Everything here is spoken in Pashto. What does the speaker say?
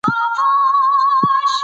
استاد بسم الله خان معلومات راکړي وو.